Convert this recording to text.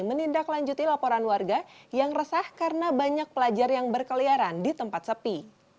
menindaklanjuti laporan warga yang resah karena banyak pelajar yang berkeliaran di tempat sepi